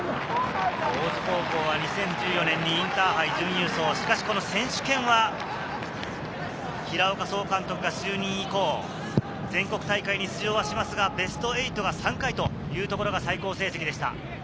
大津高校は２０１４年にインターハイ準優勝、しかし選手権は、平岡総監督が就任以降、全国大会に出場はしますが、ベスト８が３回というところが最高成績でした。